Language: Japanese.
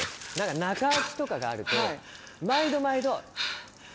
中空きとかがあると毎度毎度